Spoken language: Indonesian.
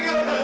pak pak pak